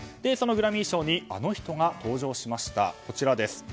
そのグラミー賞にあの人が登場しました。